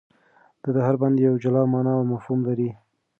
د ده هر بند یوه جلا مانا او مفهوم لري.